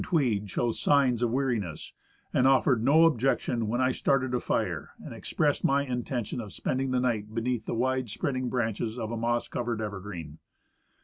Tweed " showed signs of weariness, and offered no objection when I started a fire and expressed my intention of spending the night beneath the wide spreading branches of a moss covered evergreen.